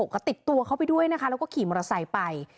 ก็ติดตัวเขาไปด้วยนะคะแล้วก็ขี่มอเตอร์ไซค์ไป